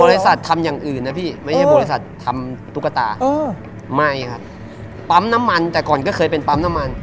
ทำอย่างอื่นนะพี่ไม่ใช่บริษัททำตุ๊กตาไม่ครับปั๊มน้ำมันแต่ก่อนก็เคยเป็นปั๊มน้ำมัน